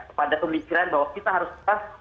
kepada pemikiran bahwa kita harus pas